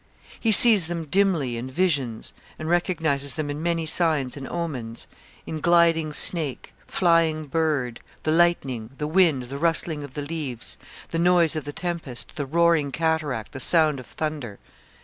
He sees them dimly in visions and recognizes them in many signs and omens in gliding snake, flying bird, the lightning, the wind, the rustling of leaves, the noise of the tempest, the roaring cataract, the sound of thunder.